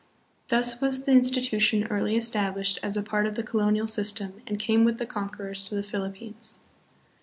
l Thus was the institution early established as a part of the colonial system and came with the conquerors to the Philippines.